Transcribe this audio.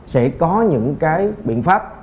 sẽ có những cái biện pháp